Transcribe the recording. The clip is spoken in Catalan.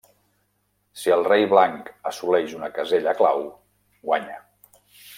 Si el rei blanc assoleix una casella clau, guanya.